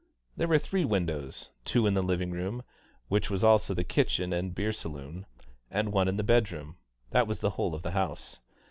There were three windows, two in the living room (which was also kitchen and beer saloon) and one in the bedroom; that was the whole of the house.